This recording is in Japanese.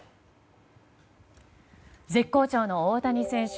絶好調の大谷選手。